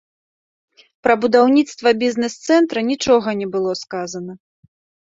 Пра будаўніцтва бізнес-цэнтра нічога не было сказана.